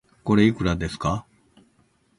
これ、いくらですか